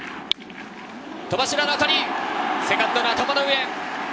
戸柱の当たり、セカンドの頭の上。